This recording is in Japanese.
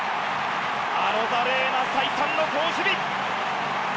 アロザレーナ再三の好守備。